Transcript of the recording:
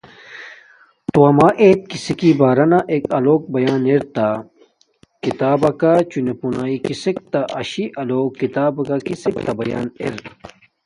توما ایت کسک کی بارانا ایک الوک بیان ارتا کوک کی کتاباکا یا چونے پونݵ کسک تا شی لوونگے کتاباکا کسک تا بیان ار